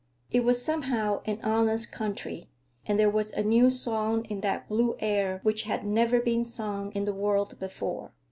It was, somehow, an honest country, and there was a new song in that blue air which had never been sung in the world before.